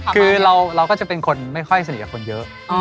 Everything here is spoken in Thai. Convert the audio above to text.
คือเราก็จะเป็นคนไม่ค่อยสนิทกับคนเยอะ